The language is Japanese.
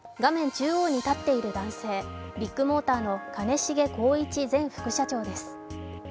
中央に立っている男性、ビッグモーターの兼重宏一前副社長です。